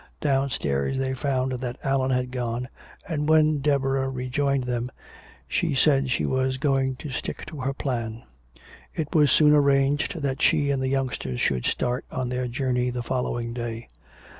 Downstairs they found that Allan had gone, and when Deborah rejoined them she said she was going to stick to her plan. It was soon arranged that she and the youngsters should start on their journey the following day.